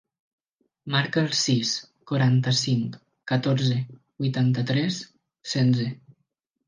Marca el sis, quaranta-cinc, catorze, vuitanta-tres, setze.